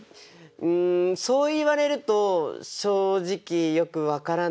うんそう言われると正直よく分からないですね。